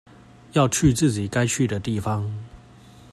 要去自己該去的地方